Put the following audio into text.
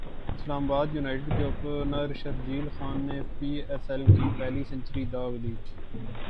اسلام United کے opener Sharjeel Khan نے P S L کی پہلی سنچری داغ دی